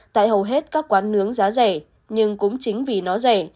tại hầu hết các quán nướng giá rẻ nhưng cũng chính vì nó rẻ